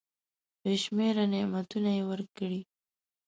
بي شمیره نعمتونه یې ورکړي .